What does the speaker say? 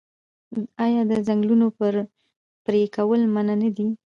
آیا د ځنګلونو پرې کول منع نه دي؟